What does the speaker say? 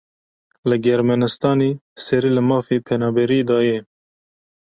Li Germanistanê serî li mafê penaberiyê daye.